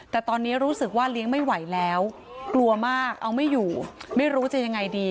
แต่ตอนนี้รู้สึกว่าเลี้ยงไม่ไหวแล้วกลัวมากเอาไม่อยู่ไม่รู้จะยังไงดี